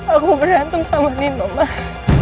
aku berantem sama nino mah